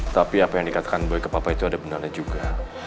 tapi apa yang dikatakan baik ke papa itu ada benarnya juga